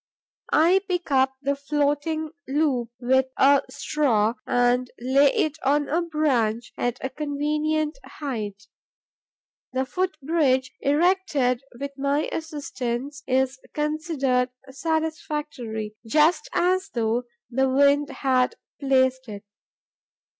I pick up the floating loop with a straw and lay it on a branch, at a convenient height. The foot bridge erected with my assistance is considered satisfactory, just as though the wind had placed it.